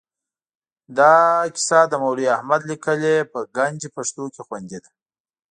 دا کیسه د مولوي احمد لیکلې په ګنج پښتو کې خوندي ده.